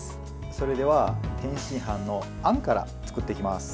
それでは天津飯のあんから作っていきます。